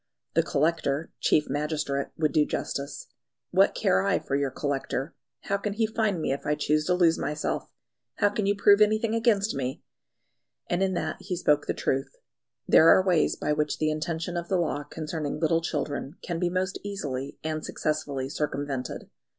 The Collector (chief magistrate) would do justice. "What care I for your Collector? How can he find me if I choose to lose myself? How can you prove anything against me?" And in that he spoke the truth. There are ways by which the intention of the law concerning little children can be most easily and successfully circumvented.